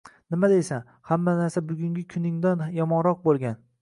Nima deysan, hamma narsa bugungi kuningdan yomonroq boʻlgan